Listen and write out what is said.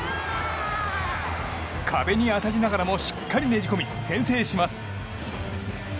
壁に当たりながらもしっかりねじ込み先制します。